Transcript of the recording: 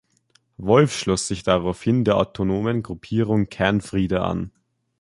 Wolf schloss sich daraufhin der autonomen Gruppierung Kein Friede an.